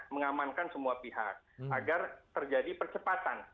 mengamankan semua pihak agar terjadi percepatan